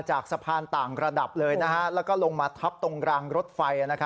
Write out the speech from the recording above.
จากสะพานต่างระดับเลยแล้วก็ลงมาทับตรงรางรถไฟ